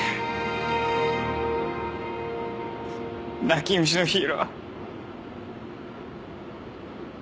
泣き虫のヒーロー。